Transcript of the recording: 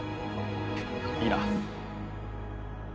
いいな？